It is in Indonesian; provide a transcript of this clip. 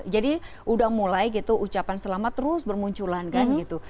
jadi udah mulai gitu ucapan selamat terus bermunculan kan gitu